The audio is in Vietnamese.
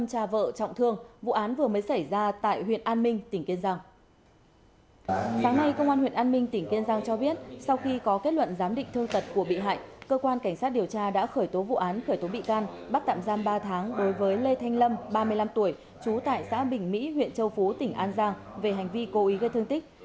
chú tại xã bình mỹ huyện châu phú tỉnh an giang về hành vi cố ý gây thương tích